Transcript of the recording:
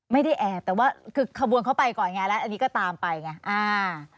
ไม่ได้แอบแต่ว่าคือขบวนเขาไปก่อนไงแล้วอันนี้ก็ตามไปไงอ่า